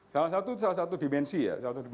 salah satu dimensi ya